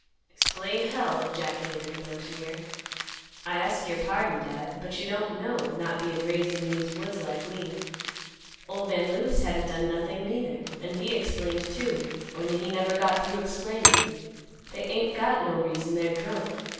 "Explain, hell!" ejaculated the mountaineer. "I ask your pardon, Dad; but you don't know, not being raised in these woods like me. Old man Lewis hadn't done nothing neither, and he explained, too; only he never got through explainin'. They ain't got no reason. They're drunk.